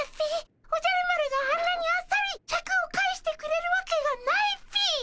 おじゃる丸があんなにあっさりシャクを返してくれるわけがないっピィ。